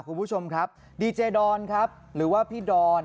เขาไม่มีแต่เขาไม่โกง